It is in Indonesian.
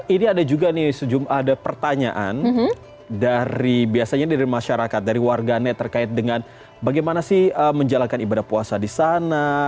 ini ada juga nih ada pertanyaan dari biasanya dari masyarakat dari warganet terkait dengan bagaimana sih menjalankan ibadah puasa di sana